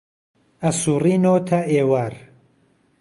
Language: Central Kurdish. ئەسوڕێنۆ تا ئێوار